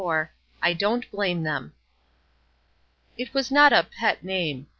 "I DON'T BLAME THEM." It was not a "pet" name.